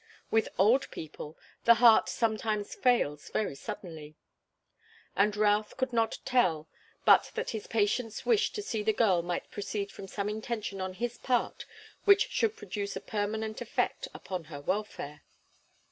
With old people, the heart sometimes fails very suddenly. And Routh could not tell but that his patient's wish to see the girl might proceed from some intention on his part which should produce a permanent effect upon her welfare.